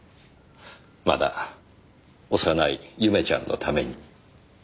まだ幼い祐芽ちゃんのために。